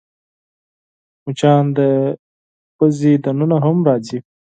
مچان د پوزې دننه هم راځي